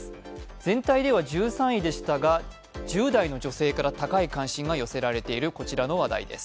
全体では１３位でしたが、１０代の女性から高い関心が寄せられているこちらの話題です。